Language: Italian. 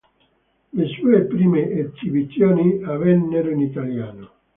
Le sue prime esibizioni avvennero in italiano.